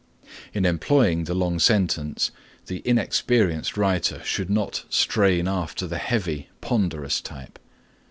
In employing the long sentence the inexperienced writer should not strain after the heavy, ponderous type.